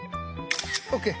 オッケー。